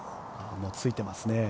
ついてますね。